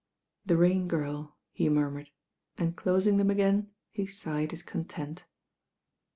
"The Rain Girl," he murmured and» closing them again, he sighed his content.